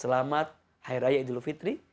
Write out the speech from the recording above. selamat hari raya idul fitri